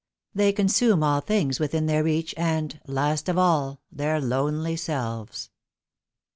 They consume All things within their reach, and, last of all, Their lonely selves."